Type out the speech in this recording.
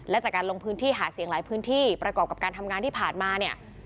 และจากการลงพื้นที่หาเสียงหลายพื้นที่ประกอบกับการทำงานที่ผ่านมาเนี่ย